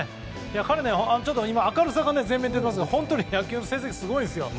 彼、明るさが全面に出てますが本当に野球の成績すごいんですよ。